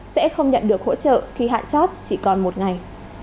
sẽ không nhận được hỗ trợ khi hạn chót chỉ còn một ngày